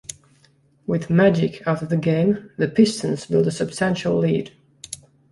With Magic out of the game, the Pistons built a substantial lead.